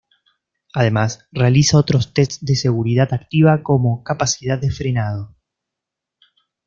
Además realiza otros test de seguridad activa como capacidad de frenado.